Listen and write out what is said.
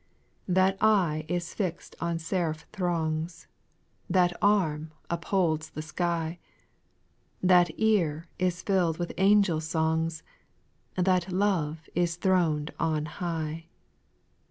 3. That eye is fix'd on seraph throngs ; That arm .upholds the sky ; That ear is fill'd with angel songs ; That love is thron'd on high.